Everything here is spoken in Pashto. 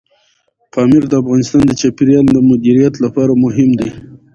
پامیر د افغانستان د چاپیریال د مدیریت لپاره مهم دي.